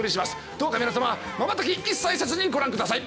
どうか皆様まばたき一切せずにご覧ください。